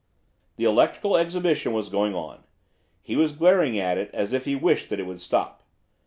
The electrical exhibition was going on. He was glaring at it as if he wished that it would stop.